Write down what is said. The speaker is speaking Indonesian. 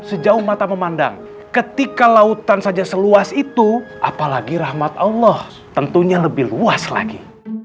sejauh mata memandang ketika lautan saja seluas itu apalagi rahmat allah tentunya lebih luas lagi